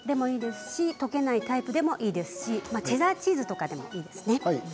すし溶けないタイプでもいいですしチェダーチーズでもいいですね。